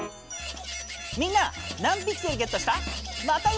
みんな何ピクセルゲットした？